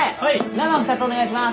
生２つお願いします。